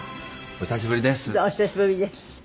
お久しぶりです。